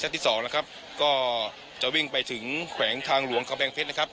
ที่สองนะครับก็จะวิ่งไปถึงแขวงทางหลวงเขาแบงเพชรนะครับ